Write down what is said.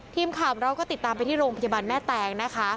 ทีมข่าวเราก็ติดตามไปที่โรงพยาบาลแม่แตงนะคะ